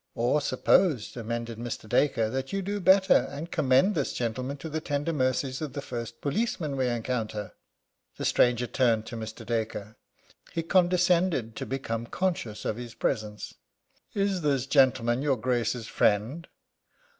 "Or suppose," amended Mr. Dacre, "that you do better, and commend this gentleman to the tender mercies of the first policeman we encounter." The stranger turned to Mr. Dacre. He condescended to become conscious of his presence. "Is this gentleman your Grace's friend?